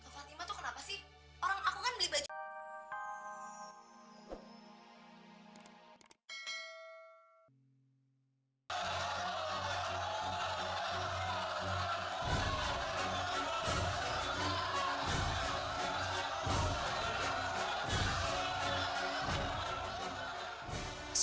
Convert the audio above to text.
fatima tuh kenapa sih